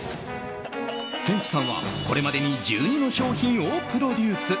ケンチさんは、これまでに１２の商品をプロデュース。